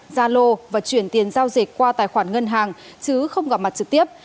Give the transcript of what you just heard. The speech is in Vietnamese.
gia lô và chuyển tiền giao dịch qua tài khoản ngân hàng chứ không gặp mặt trực tiếp